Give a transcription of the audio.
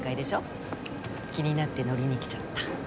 気になって乗りに来ちゃった。